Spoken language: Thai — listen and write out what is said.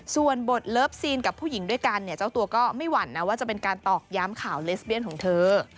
ส่วนบทเลิฟซีนกับผู้หญิงด้วยกันเนี่ยเจ้าตัวก็ไม่หวั่นนะว่าจะเป็นการตอกย้ำข่าวเลสเบียนของเธอ